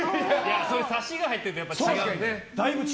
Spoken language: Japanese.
サシが入ってると違うんだよ。